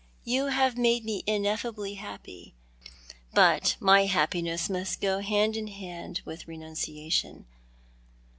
You have made me ineffably happy ; but my hapi^iness must go hand in hand with renunciation.